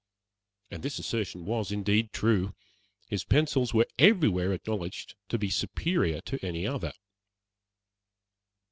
And this assertion was indeed true. His pencils were everywhere acknowledged to be superior to any other.